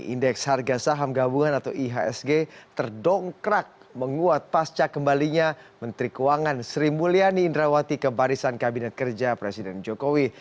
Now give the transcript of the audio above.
indeks harga saham gabungan atau ihsg terdongkrak menguat pasca kembalinya menteri keuangan sri mulyani indrawati ke barisan kabinet kerja presiden jokowi